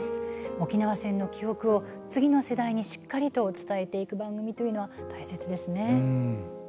沖縄戦の記憶を次の世代にしっかりと伝えていくというのは大切ですね。